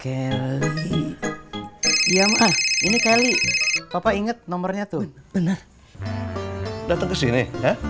kelih ya mah ini kelih papa inget nomornya tuh bener bener ke sini